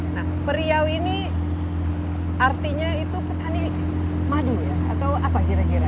nah periau ini artinya itu petani madu ya atau apa kira kira